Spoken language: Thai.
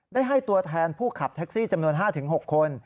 ได้ให้ตัวแทนผู้ขับแท็กซี่จำนวน๕๖คน